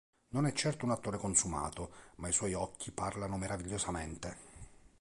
Non è certo un attore consumato, ma i suoi occhi "parlano" meravigliosamente.